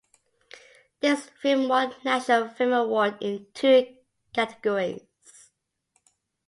This film won National Film Award in two categories.